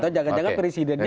atau jangan jangan presidennya